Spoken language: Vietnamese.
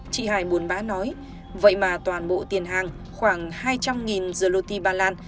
trị hải buôn bán nói vậy mà toàn bộ tiền hàng khoảng hai trăm linh zloty bà lan